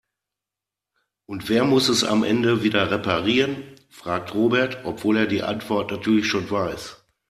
Und wer muss es am Ende wieder reparieren?, fragt Robert, obwohl er die Antwort natürlich schon weiß.